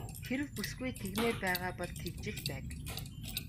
Хэрэв бүсгүй тэгмээр байгаа бол тэгж л байг.